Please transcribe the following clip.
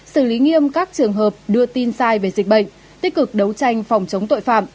xử lý nghiêm các trường hợp đưa tin sai về dịch bệnh tích cực đấu tranh phòng chống tội phạm